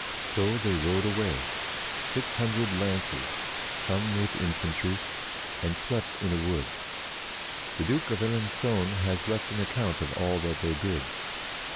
" So they rode away, six hundred lances, with some infantry, and slept in a wood. The Duke of Alencon has left an account of all that they did.